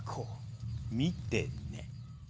見てね。